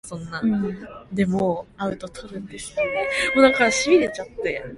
할멈은 그제야 계란 밑에 놀 것임을 알았다.